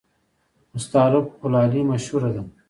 استالف کلالي مشهوره ده؟